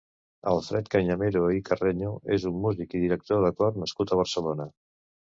Alfred Cañamero i Carreño és un músic i director de cor nascut a Barcelona.